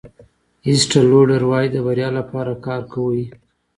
ایسټل لوډر وایي د بریا لپاره کار کوئ.